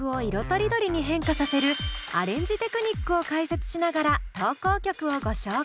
とりどりに変化させるアレンジテクニックを解説しながら投稿曲をご紹介。